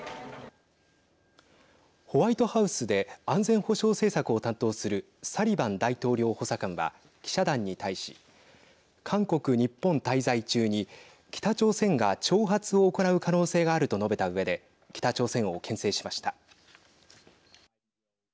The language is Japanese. ホワイトハウスで安全保障政策を担当するサリバン大統領補佐官は記者団に対し韓国、日本滞在中に北朝鮮が挑発を行う可能性があると述べたうえで北朝鮮をけん制しました。